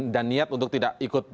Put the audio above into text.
dan niat untuk tidak ikut di kontes itu